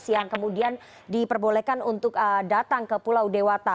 yang kemudian diperbolehkan untuk datang ke pulau dewata